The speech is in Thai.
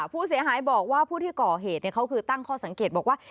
ผู้เสียหายบอกว่าผู้ที่ก่อเหตุเขาคือตั้งข้อสังเกตบอกว่า